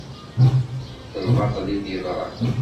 D lbaṭel i yeḍran.